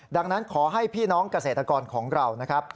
ดังนั้นขอให้พี่น้องเกษตรกรของเรานะครับ